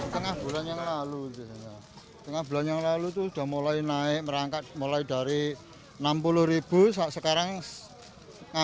warto hai tolong yang lalu tol down mulai naik merangkak mulai dari enam puluh ribu saat sekarang nah